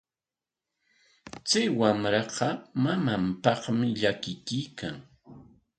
Chay wamraqa mamanpaqmi llakikuykan.